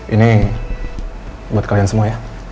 ini buat kalian semua ya